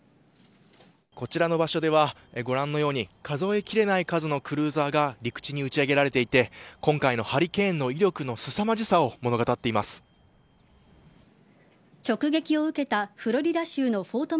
こちらの場所ではご覧のように数え切れない数のクルーザーが陸地に打ち上げられていて今回のハリケーンの威力のすさまじさを直撃を受けたフロリダ州のフォート